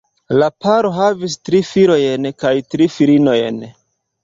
La paro havis tri filojn kaj tri filinojn.